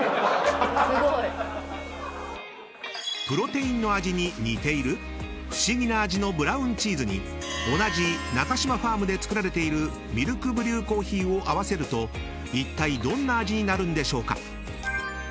［プロテインの味に似ている⁉不思議な味のブラウンチーズに同じナカシマファームで作られているミルクブリューコーヒーを合わせるといったいどんな味になるんでしょうか？］